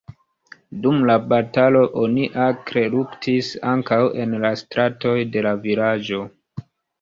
Dum la batalo oni akre luktis ankaŭ en la stratoj de la vilaĝo.